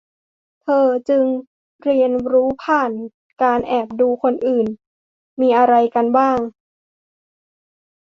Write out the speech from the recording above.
เธอจึงเรียนรู้ผ่านการแอบดูคนอื่นมีอะไรกันบ้าง